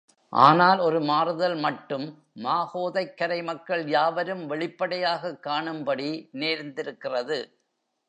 ஆனால் ஒரு மாறுதல் மட்டும் மாகோதைக் கரை மக்கள் யாவரும் வெளிப்படையாகக் காணும்படி நேர்ந்திருக்கிறது.